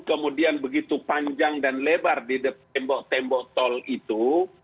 kemudian begitu panjang dan lebar di tembok tembok tol itu